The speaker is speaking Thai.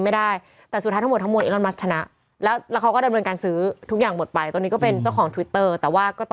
เขาก็มีการไปสร้างแพลตฟอร์มใหม่นะคะ